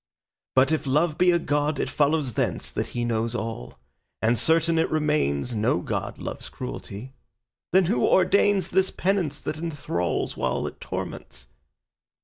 But if Love be a God, it follows thence That he knows all, and certain it remains No God loves cruelty; then who ordains This penance that enthrals while it torments?